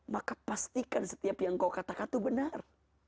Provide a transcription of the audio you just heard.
maka pastikan setiap yang kau katakan itu benar